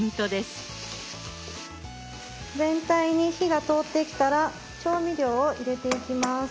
全体に火が通ってきたら調味料を入れていきます。